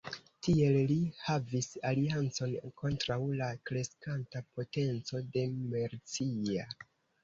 Tiel li havis aliancon kontraŭ la kreskanta potenco de Mercia.